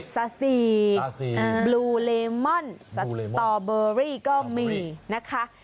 ซาซีบลูเลมอนสตอเบอรี่ก็มีนะคะ